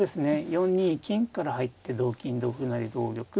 ４二金から入って同金同歩成同玉